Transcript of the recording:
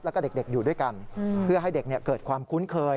แล้วก็เด็กอยู่ด้วยกันเพื่อให้เด็กเกิดความคุ้นเคย